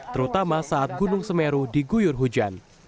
terutama saat gunung semeru diguyur hujan